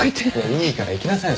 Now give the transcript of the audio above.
いいから行きなさいよ